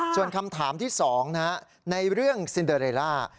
ส่วนคำถามที่๒ในเรื่องซินเดอเรลล่า